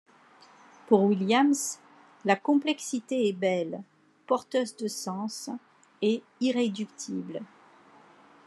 Pour Williams, la complexité est belle, porteuse de sens, et irréductible.